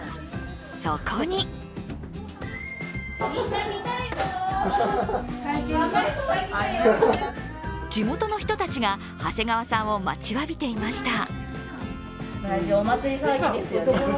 そこに地元の人たちが長谷川さんを待ちわびていました。